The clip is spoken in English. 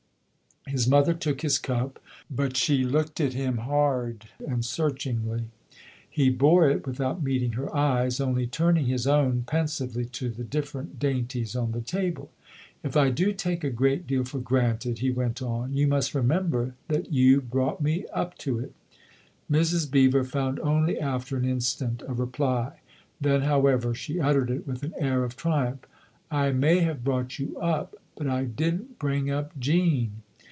His mother took his cup, but she look at him hard and searchingly. He bore it without meeting her eyes, only turning his own pensively to the different dainties on the table. " If I do take a great deal for granted," he went on, " you must remember that you brought me up to it." Mrs. Beever found only after an instant a reply ; then, however^ she uttered it with an air of 132 THE OTHER HOUSE triumph. " I may have brought you up but I didn't bring up Jean